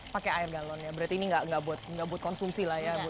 pakai air galon ya berarti ini nggak buat konsumsi lah ya bu